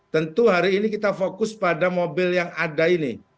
tentu hari ini kita fokus pada mobil yang ada ini